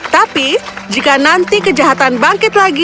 tapi jika nanti kejahatan bangkit lagi